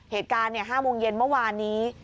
เหตุการณ์๕โมงเย็นเมื่อวานนี้